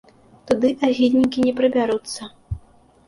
Туды агіднікі не прабяруцца.